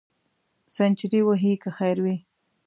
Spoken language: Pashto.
سینچري وهې که خیر وي.